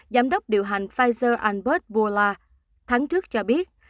giám đốc điều hành pfizer ambudsman burla tháng trước cho biết